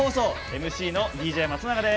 ＭＣのＤＪ松永です。